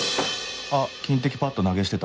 あっ金的パッド投げ捨てた